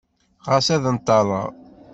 Ɣas ad nṭerreɣ.